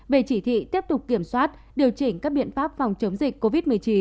về chỉ thị tiếp tục kiểm soát điều chỉnh các biện pháp phòng chống dịch covid một mươi chín